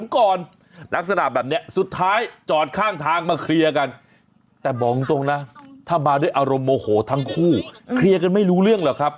กลุ่มตรงนะถ้ามาด้วยอารมณ์โมโหทั้งคู่เคลียร์กันไม่รู้เรื่องหรอกครับ